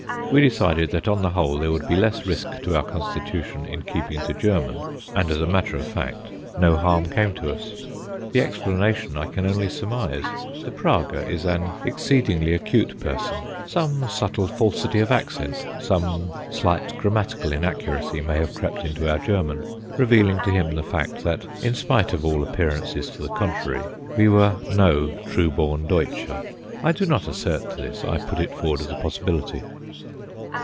We decided that on the whole there would be less risk to our constitution in keeping to German, and as a matter of fact no harm came to us. The explanation I can only surmise. The Praguer is an exceedingly acute person; some subtle falsity of accent, some slight grammatical inaccuracy, may have crept into our German, revealing to him the fact that, in spite of all appearances to the contrary, we were no true born Deutscher. I do not assert this; I put it forward as a possibility.